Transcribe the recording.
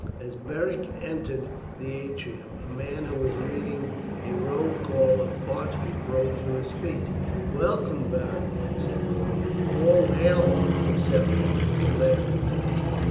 As Beric entered the atrium, a man, who was reading a roll of parchment, rose to his feet. "Welcome, Beric!" he said warmly. "All hail, preceptor!" the lad replied.